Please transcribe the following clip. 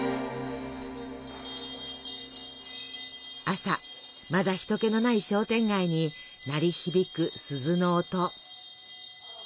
朝まだ人けのない商店街に鳴り響く鈴の音。